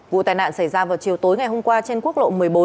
vụ tai nạn xảy ra vào chiều tối ngày hôm qua trên quốc lộ một mươi bốn